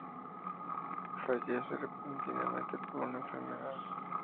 Fallece repentinamente por una enfermedad.